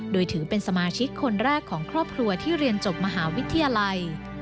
โดยถือเป็นสมาชิกคนแรกของครอบครัวที่เรียนจบมหาวิทยาลัย